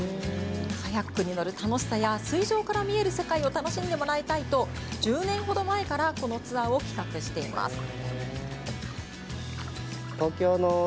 カヤックに乗る楽しさや水上から見える世界を楽しんでもらいたいと１０年ほど前からこのツアーを企画しています。